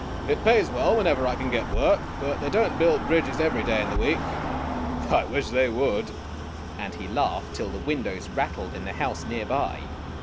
"It pays well whenever I can get work ; but they don't build bridges every day in the week I wish they would !' and he laughed till the windows rattled in the house near by.